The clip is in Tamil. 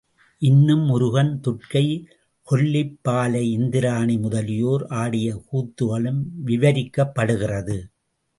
இன்னும் முருகன், துர்க்கை, கொல்லிப் பாலை, இந்திராணி முதலியோர் ஆடிய கூத்துகளும் விவரிக்கப்படுகிறது.